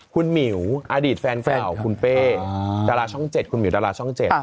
คุณหมิวอดีตแฟนเก่าคุณเป้ดาราช่อง๗คุณหมิวดาราช่อง๗